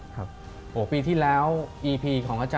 มาถึงแต่แล้วนะคะ